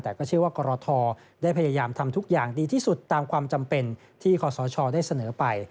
แต่ก็เชื่อว่ากรทได้พยายามทำทุกอย่างดีที่สุดตามความจำเป็นที่ขอสชได้เสนอไป